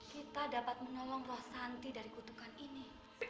kita dapat menolong roh santi dari kutukan ini